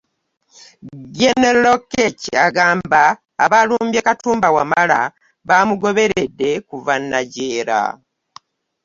Genero Lokech agamba abaalumbye Katumba Wamala baamugoberedde kuva Najjeera